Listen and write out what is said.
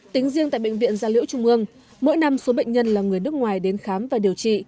tính riêng tại bệnh viện gia liễu trung ương mỗi năm số bệnh nhân là người nước ngoài đến khám và điều trị